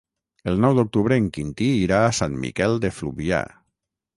El nou d'octubre en Quintí irà a Sant Miquel de Fluvià.